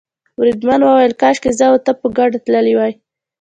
بریدمن وویل کاشکې زه او ته په ګډه تللي وای.